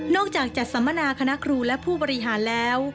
จากจัดสัมมนาคณะครูและผู้บริหารแล้ว